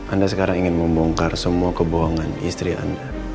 anda sekarang ingin membongkar semua kebohongan istri anda